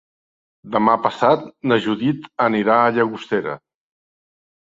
Demà passat na Judit anirà a Llagostera.